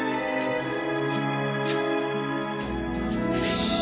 よし。